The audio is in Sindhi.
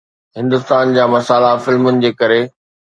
هندستان جي مسالا فلمن جي ڪري